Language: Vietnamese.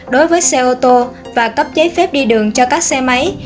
đối với xe ô tô và cấp giấy phép đi đường cho các xe máy